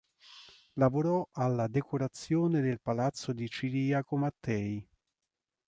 Lavorò alla decorazione del palazzo di Ciriaco Mattei.